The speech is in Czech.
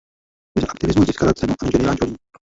Za aktivismus získala cenu Angelina Jolie.